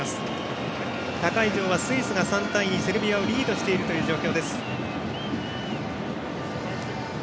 他会場はスイスが３対２でセルビアをリードしている状況。